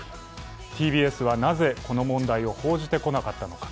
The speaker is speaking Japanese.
ＴＢＳはなぜこの問題を報じてこなかったのか。